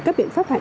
các biện pháp hạng